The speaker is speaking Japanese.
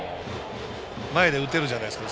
前で打てるじゃないですか。